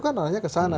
kan arahnya ke sana